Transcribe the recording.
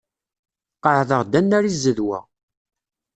Qeɛd-aɣ-d annar i zzedwa.